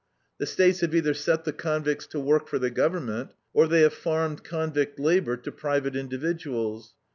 The States have either set the convicts to work for the government, or they have farmed convict labor to private individuals.